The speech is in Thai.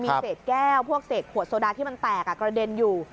มีเศษแก้วพวกเศษขวดโซดาที่มันแตกกระเด็นอยู่